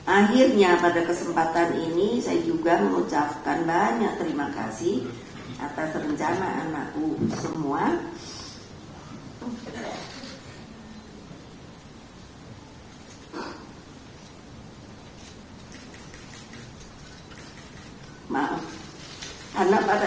akhirnya pada kesempatan ini saya juga mengucapkan banyak terima kasih atas rencana anakku semua